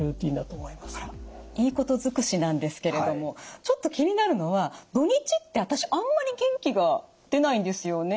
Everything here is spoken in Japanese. いいこと尽くしなんですけれどもちょっと気になるのは土日って私あんまり元気が出ないんですよね。